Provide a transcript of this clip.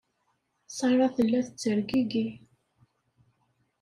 Sarah tella tettergigi.